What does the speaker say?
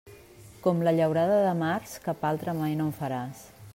Com la llaurada de març, cap altra mai no en faràs.